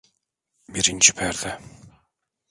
Birinci perde.